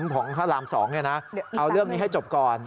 ของพระรามสองเนี่ยนะเอาเรื่องนี้ให้จบก่อน